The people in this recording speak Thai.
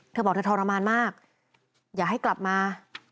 เธอบอกเธอทรมานมากอยากให้กลับมา